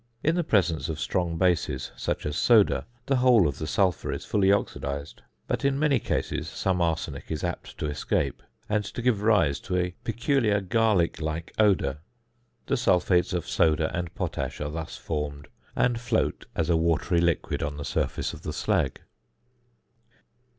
In the presence of strong bases, such as soda, the whole of the sulphur is fully oxidised; but in many cases some arsenic is apt to escape, and to give rise to a peculiar garlic like odour. The sulphates of soda and potash are thus formed, and float as a watery liquid on the surface of the slag.